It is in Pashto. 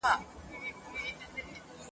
څوک پر مړو میندو په سرو چیغو تاویږي !.